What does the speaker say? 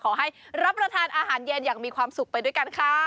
ขอให้รับประทานอาหารเย็นอย่างมีความสุขไปด้วยกันค่ะ